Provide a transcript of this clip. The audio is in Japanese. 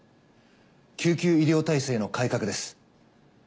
救急医療体制の改革です。